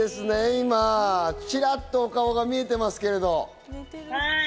今、チラっとお顔が見えていますけど。